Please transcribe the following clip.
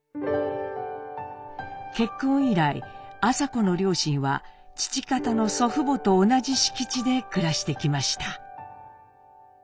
結婚以来麻子の両親は父方の祖父母と同じ敷地で暮らしてきました。